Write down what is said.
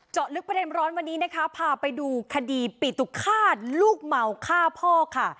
ลึกประเด็นร้อนวันนี้นะคะพาไปดูคดีปิตุฆาตลูกเมาฆ่าพ่อค่ะ